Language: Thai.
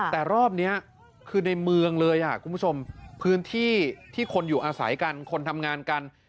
แต่รอบนี้คือในเมืองเลยคุณผู้ชมพื้นที่ที่คนอยู่อาศัยกันคนทำงานกัน